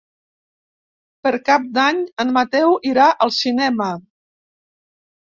Per Cap d'Any en Mateu irà al cinema.